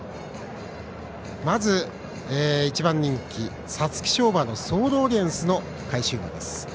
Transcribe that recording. まず、１番人気、皐月賞馬のソールオリエンスの返し馬です。